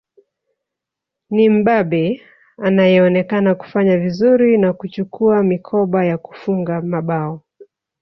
Ni Mbabe anayeonekana kufanya vizuri na kuchukua mikoba ya kufunga mabao